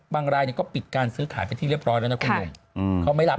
บางรายก็ปิดการซื้อขายเป็นที่เรียบร้อยแล้วค่ะเขาไม่รับ